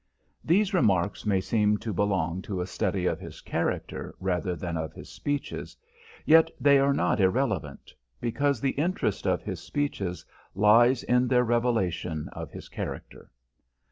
These remarks may seem to belong to a study of his character rather than of his speeches, yet they are not irrelevant, because the interest of his speeches lies in their revelation of his character.